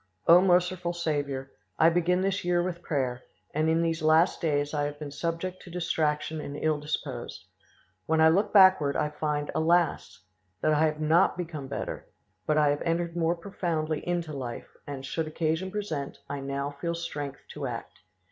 "O merciful Saviour! I began this year with prayer, and in these last days I have been subject to distraction and ill disposed. When I look backward, I find, alas! that I have not become better; but I have entered more profoundly into life, and, should occasion present, I now feel strength to act.